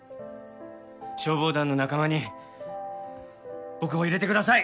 消防団の仲間に僕を入れてください！